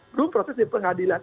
terus proses dipengadilan